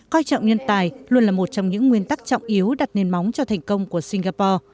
coi trọng nhân tài luôn là một trong những nguyên tắc trọng yếu đặt nền móng cho thành công của singapore